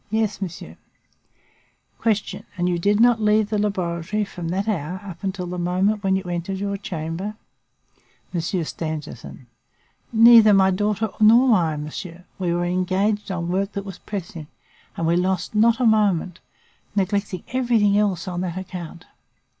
Yes, monsieur. "Q. And you did not leave the laboratory from that hour up to the moment when you entered your chamber? "M. Stangerson. Neither my daughter nor I, monsieur. We were engaged on work that was pressing, and we lost not a moment, neglecting everything else on that account.